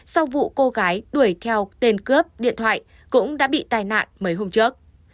sau vụ cô gái đuổi theo tên cướp điện thoại cũng đã bị tai nạn mấy hôm trước